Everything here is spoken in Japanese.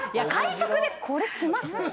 会食でこれします？